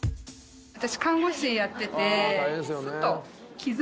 私看護師やっててふと。